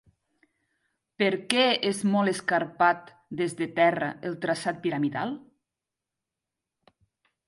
Per què és molt escarpat des de terra el traçat piramidal?